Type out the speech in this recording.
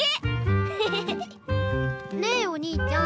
ねえお兄ちゃん